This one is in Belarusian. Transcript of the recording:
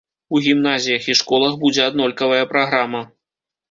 У гімназіях і школах будзе аднолькавая праграма.